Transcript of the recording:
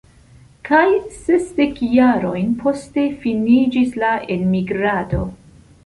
Kaj sesdek jarojn poste finiĝis la enmigrado.